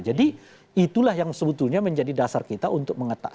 jadi itulah yang sebetulnya menjadi dasar kita untuk mengatakan